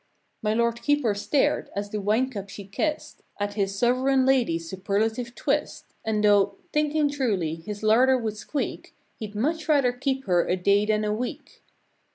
My Lord Keeper stared, as the wine cup she kissed, At his sovereign lady's superlative twist. And thought, thinking truly, his larder would squeak, He'd much rather keep her a day than a week.